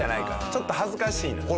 ちょっと恥ずかしいのよ。